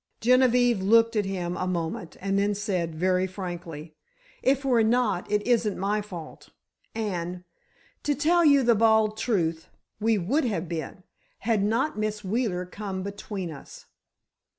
Genevieve looked at him a moment, and then said, very frankly: "If we're not, it isn't my fault. And—to tell you the bald truth, we would have been, had not Miss Wheeler come between us."